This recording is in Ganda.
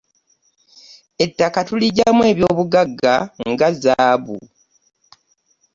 ettaka tuli gyamu ebyobugagga nga zaabu